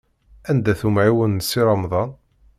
Anda-t umɛiwen n Si Remḍan?